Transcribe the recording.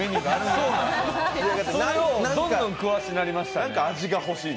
それをどんどん詳しくなりましたね。